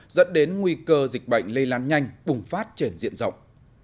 dẫn đến nguy cơ dịch bệnh lây lan nhanh bùng phát trên diện rộng